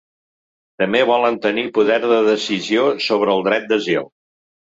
També volen tenir poder de decisió sobre el dret d’asil.